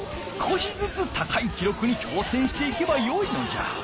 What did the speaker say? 少しずつ高い記録に挑戦していけばよいのじゃ。